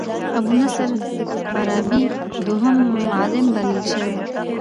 ابو نصر فارابي دوهم معلم بلل شوی.